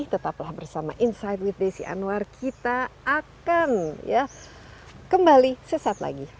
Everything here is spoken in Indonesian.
tetaplah bersama insight with desi anwar kita akan kembali sesaat lagi